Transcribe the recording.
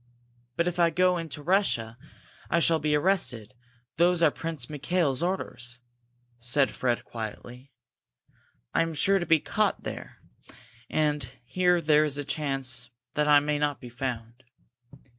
"But if I go into Russia, I shall be arrested those are Prince Mikail's orders," said Fred, quietly. "I am sure to be caught there, and here there is a chance that I may not be found.